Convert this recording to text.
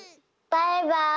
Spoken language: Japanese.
バイバイ。